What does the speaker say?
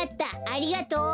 ありがとう。